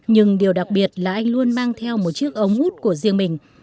nhưng điều đặc biệt là anh luôn mang theo một chiếc ống hút của riêng mình